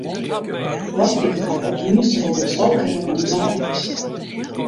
Wat yn de wrâld miensto wol datst dêr oan it dwaan bist?